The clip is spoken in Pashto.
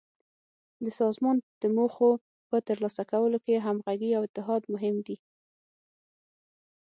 د سازمان د موخو په تر لاسه کولو کې همغږي او اتحاد مهم دي.